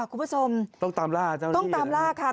คุณผู้ชมต้องตามล่าค่ะ